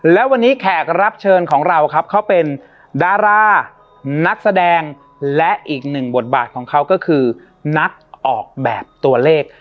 และวันนี้แขกรับเชิญของเราครับเขาเป็นดารานักแสดงและอีกหนึ่งบทบาทของเขาก็คือนักออกแบบตัวเลข